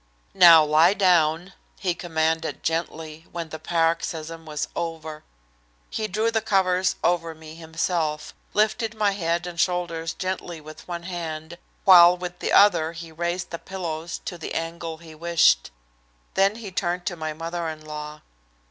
"Now lie down," he commanded gently, when the paroxysm was over. He drew the covers over me himself, lifted my head and shoulders gently with one hand, while with the other he raised the pillows to the angle he wished. Then he turned to my mother in law.